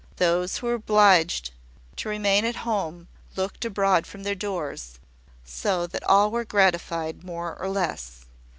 Those who were obliged to remain at home looked abroad from their doors; so that all were gratified more or less.